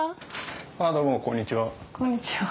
ああどうもこんにちは。